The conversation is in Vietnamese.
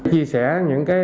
chia sẻ những cái